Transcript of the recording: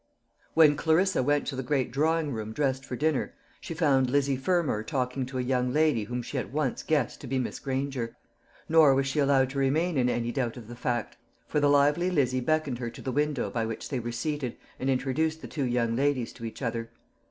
When Clarissa went to the great drawing room dressed for dinner, she found Lizzie Fermor talking to a young lady whom she at once guessed to be Miss Granger. Nor was she allowed to remain in any doubt of the fact; for the lively Lizzie beckoned her to the window by which they were seated, and introduced the two young ladies to each other.